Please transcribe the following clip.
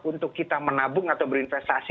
untuk kita menabung atau berinvestasi